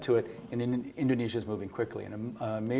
dari pekerjaan mereka